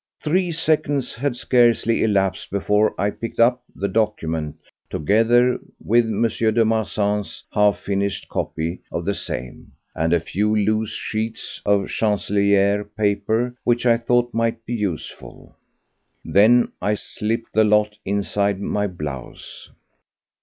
Three seconds had scarcely elapsed before I picked up the document, together with M. de Marsan's half finished copy of the same, and a few loose sheets of Chancellerie paper which I thought might be useful. Then I slipped the lot inside my blouse.